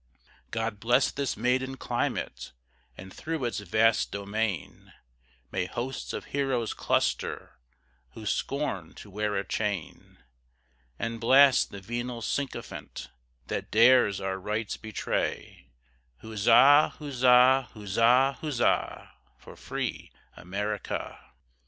God bless this maiden climate, And through its vast domain May hosts of heroes cluster, Who scorn to wear a chain: And blast the venal sycophant That dares our rights betray; Huzza, huzza, huzza, huzza, For free America.